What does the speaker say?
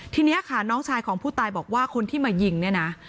ทีนี้ค่ะน้องชายของผู้ตายบอกว่าคนที่มายิงเนี่ยนะ